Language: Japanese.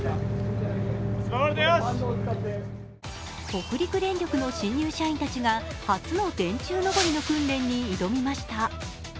北陸電力の新入社員たちが初の電柱登りの訓練に挑みました。